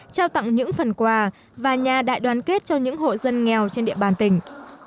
trao tặng những phần quà và nhà đại đoàn kết cho những hộ dân nghèo trên địa bàn tỉnh